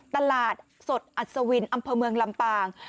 ตลาดสดอัศวินอำเภอเมืองลำปาง